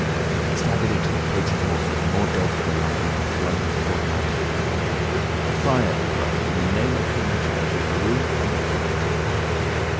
He staggered into the "Coach and Horses" more dead than alive, and flung his portmanteau down. "A fire," he cried, "in the name of human charity! A room and a fire!"